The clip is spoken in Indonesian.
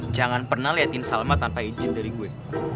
jangan pernah liatin salma tanpa izin dari gue